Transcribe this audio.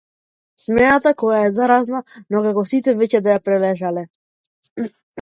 Смеата која е заразна но како сите веќе да ја прележале.